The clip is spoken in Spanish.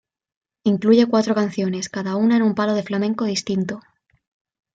Incluye cuatro canciones, cada una en un palo de flamenco distinto.